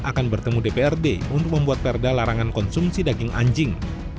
akan bertemu dprd untuk membuat perda larangan konsumsi daging anjing